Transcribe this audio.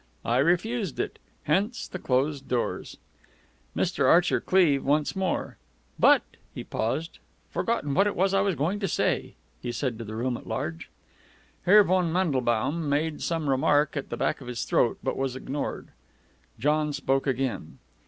I refused it. Hence the closed doors." Mr. Archer Cleeve once more. "But " He paused. "Forgotten what I was going to say," he said to the room at large. Herr von Mandelbaum made some remark at the back of his throat, but was ignored. John spoke again.